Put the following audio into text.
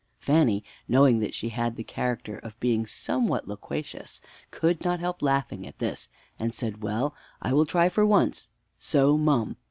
Fanny, knowing that she had the character of being somewhat loquacious, could not help laughing at this, and said, "Well, I will try for once; so, mum!